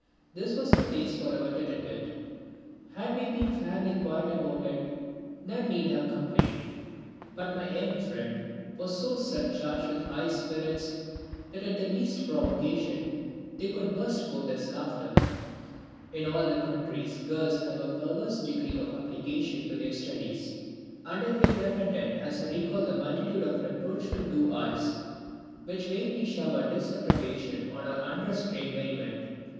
This was the place for our tete a tete. Had we been fairly quiet about it none need have complained, but my young friend was so surcharged with high spirits that at the least provocation they would burst forth as laughter. In all countries girls have a perverse degree of application to their studies, and I feel repentant as I recall the multitude of reproachful blue eyes which vainly showered disapprobation on our unrestrained merriment.